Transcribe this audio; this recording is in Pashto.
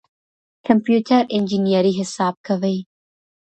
کمپيوټر انجنيري حساب کوي.